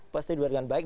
pasti dibuat dengan baik